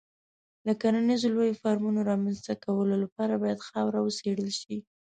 د کرنیزو لویو فارمونو رامنځته کولو لپاره باید خاوره وڅېړل شي.